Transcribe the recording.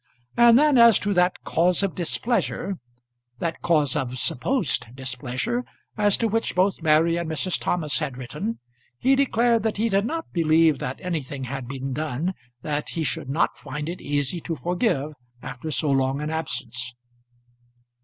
And then as to that cause of displeasure, that cause of supposed displeasure as to which both Mary and Mrs. Thomas had written, he declared that he did not believe that anything had been done that he should not find it easy to forgive after so long an absence.